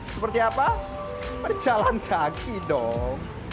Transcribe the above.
seperti apa pada jalan kaki dong